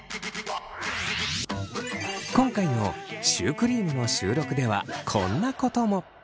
今回のシュークリームの収録ではこんなことも。